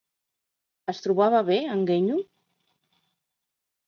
Es trobava bé en Guenyo?